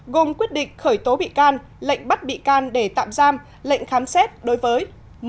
gồm quyết định khởi tố bị can lệnh bắt bị can để tạm giam lệnh khám xét đối với